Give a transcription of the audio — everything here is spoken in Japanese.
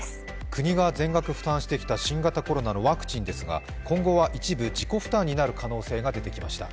国が全額負担してきた新型コロナのワクチンですが今後は一部自己負担になる可能性が出てきました。